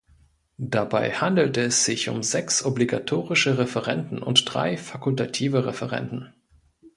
Dabei handelte es sich um sechs obligatorische Referenden und drei fakultative Referenden.